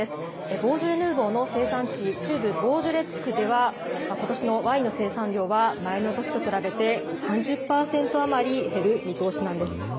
ボージョレ・ヌーボーの生産地、中部ボージョレ地区では、ことしのワインの生産量は前の年と比べて、３０％余り減る見通しなんです。